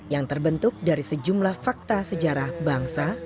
yang terbentuk dari sejumlah fakta sejarah bangsa